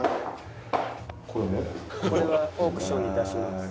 「これはオークションに出します」。